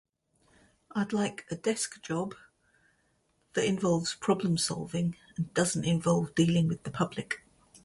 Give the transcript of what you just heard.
I'd like a desk job that involves problem solving, and doesn't involve dealing with the public.